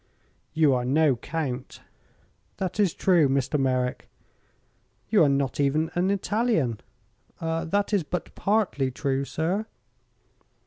"You are no count." "That is true, Mr. Merrick." "You are not even an Italian." "That is but partly true, sir."